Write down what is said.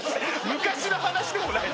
昔の話でもない！